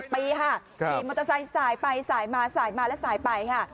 ปีค่ะขี่มอเตอร์ไซค์สายไปสายมาสายมาและสายไปค่ะ